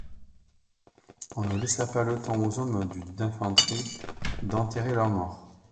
On ne laissa pas le temps aux hommes du d’infanterie d’enterrer leurs morts.